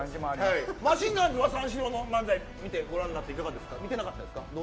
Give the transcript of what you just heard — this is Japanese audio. マシンガンズは三四郎の漫才ご覧になっていかがですか。